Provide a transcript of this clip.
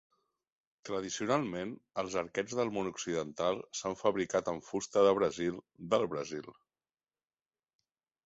Tradicionalment, els arquets del món occidental s'han fabricat amb fusta de brasil del Brasil.